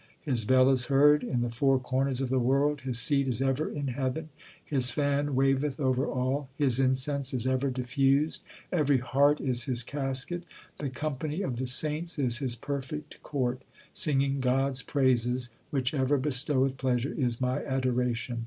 His bell is heard in the four corners of the world, His seat is ever in heaven, His fan waveth over all, His incense is ever diffused, Every heart is His casket, 1 The company of the saints is His perfect court. 2 Singing God s praises, which ever bestoweth pleasure, is my adoration.